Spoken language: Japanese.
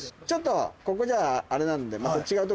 ちょっとここじゃあれなんで。